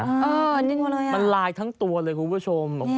เออนี่มันเลยอ่ะมันลายทั้งตัวเลยคุณผู้ชม